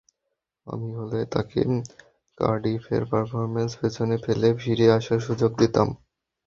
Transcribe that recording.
আমি হলে তাকে কার্ডিফের পারফরম্যান্স পেছনে ফেলে ফিরে আসার সুযোগ দিতাম।